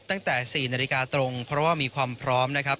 ตั้งแต่๔นาฬิกาตรงเพราะว่ามีความพร้อมนะครับ